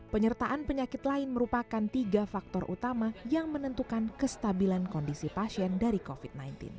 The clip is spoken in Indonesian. penyertaan penyakit lain merupakan tiga faktor utama yang menentukan kestabilan kondisi pasien dari covid sembilan belas